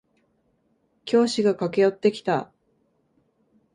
教師が駆け寄ってきた。